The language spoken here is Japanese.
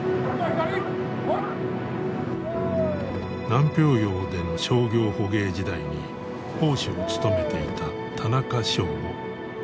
南氷洋での商業捕鯨時代に砲手を務めていた田中省吾。